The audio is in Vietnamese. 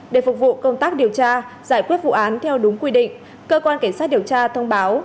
để phục vụ công tác điều tra giải quyết vụ án theo đúng quy định cơ quan cảnh sát điều tra thông báo